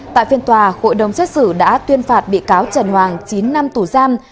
tại phiên tòa hội đồng xét xử đã tuyên phạt bị cáo trần hoàng chín năm tù giam